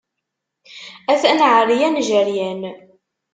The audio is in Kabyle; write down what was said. Atan ɛeryan, jeryan.